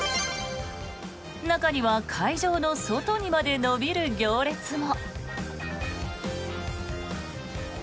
中には会場の外にまで延びる行列も。